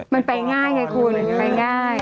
มันไปง่ายไงคุณไปง่าย